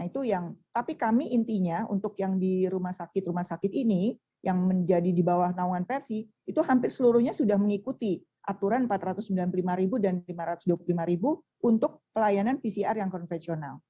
itu yang tapi kami intinya untuk yang di rumah sakit rumah sakit ini yang menjadi di bawah naungan versi itu hampir seluruhnya sudah mengikuti aturan rp empat ratus sembilan puluh lima ribu dan rp lima ratus dua puluh lima untuk pelayanan pcr yang konvensional